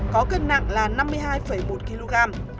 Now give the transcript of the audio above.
có cân nặng là năm mươi hai một kg